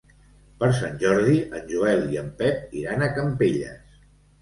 Per Sant Jordi en Joel i en Pep iran a Campelles.